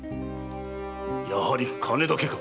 やはり金だけか。